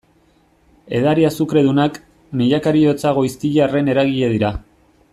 Edari azukredunak, milaka heriotza goiztiarren eragile dira.